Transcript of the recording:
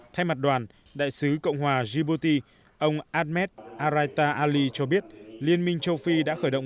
thay mặt đoàn đại sứ cộng hòa djibouti ông ahmed araita ali cho biết liên minh châu phi đã khởi động